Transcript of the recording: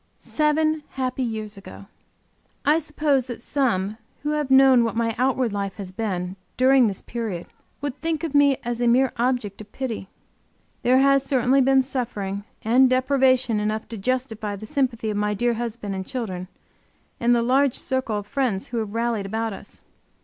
Seven happy years ago! I suppose that some who have known what my outward life has been during this period would think of me as a mere object of pity. There has certainly been suffering and deprivation enough to justify the sympathy of my dear husband and children and the large circle of friends who have rallied about us.